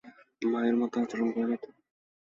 মায়ের মতো আচরণ করো না তো।